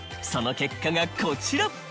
その結果がこちら。